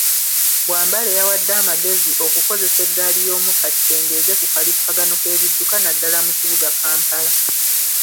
Bwambale yawadde amagezi okukozesa eggaali y'omukka kikendeeze ku kalippagano k'ebidduka naddala mu kibuga Kampala.